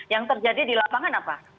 yang terjadi di lapangan apa